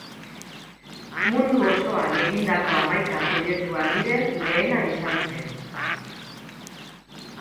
Mundu osoan egindako hamaika proiektu handiren lehena izan zen.